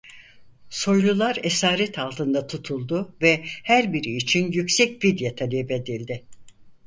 Soylular esaret altında tutuldu ve her biri için yüksek fidye talep edildi.